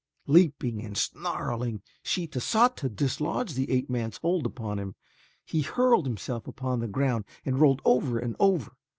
Leaping and snarling, Sheeta sought to dislodge the ape man's hold upon him. He hurled himself upon the ground and rolled over and over.